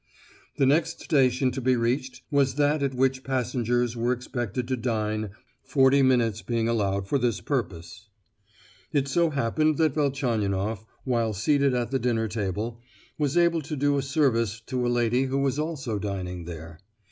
The next station to be reached was that at which passengers were expected to dine, forty minutes being allowed for this purpose. It so happened that Velchaninoff, while seated at the dinner table, was able to do a service to a lady who was also dining there.